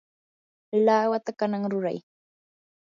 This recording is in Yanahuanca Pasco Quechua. lawata kanan ruray.